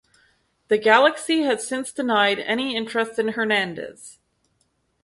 The Galaxy has since denied any interest in Hernandez.